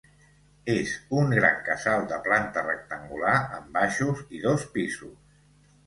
És un gran casal de planta rectangular, amb baixos i dos pisos.